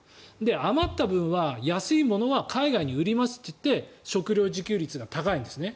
余った分は安いものは海外に売りますといって食料自給率が高いんですね。